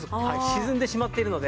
沈んでしまっているので。